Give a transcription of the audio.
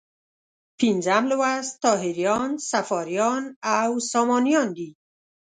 پنځم لوست طاهریان، صفاریان او سامانیان دي.